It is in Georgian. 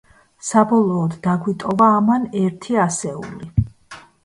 საბოლოოდ დაგვიტოვა ამან ერთი ასეული.